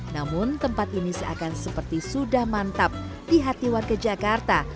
namun tempat ini seakan seperti sudah mantap di hati warga jakarta